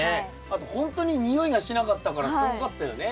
あとほんとに臭いがしなかったからすごかったよね。